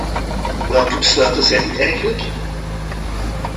Welke besluiten zijn dit eigenlijk?